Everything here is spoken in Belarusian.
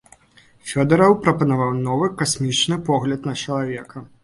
Фёдараў прапанаваў новы, касмічны погляд на чалавека.